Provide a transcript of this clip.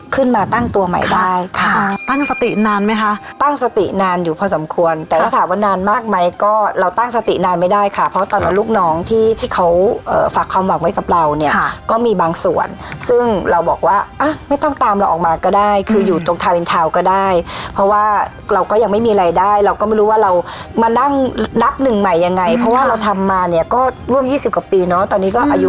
ขึ้นมาตั้งตัวใหม่ได้ค่ะตั้งสตินานไหมคะตั้งสตินานอยู่พอสมควรแต่ถ้าถามว่านานมากไหมก็เราตั้งสตินานไม่ได้ค่ะเพราะตอนนั้นลูกน้องที่เขาเอ่อฝากความหวังไว้กับเราเนี่ยค่ะก็มีบางส่วนซึ่งเราบอกว่าอะไม่ต้องตามเราออกมาก็ได้คืออยู่ตรงทาวินทาวก็ได้เพราะว่าเราก็ยังไม่มีรายได้เราก็ไม่รู้